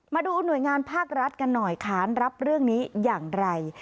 มาดูหน่วยงานภาครัฐกันหน่อยขานรับเรื่องนี้อย่างไร